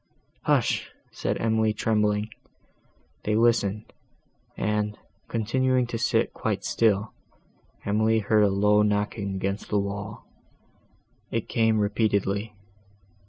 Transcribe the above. "Hush!" said Emily, trembling. They listened, and, continuing to sit quite still, Emily heard a low knocking against the wall. It came repeatedly.